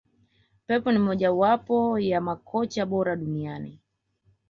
Pep ni moja wapo ya makocha bora duniani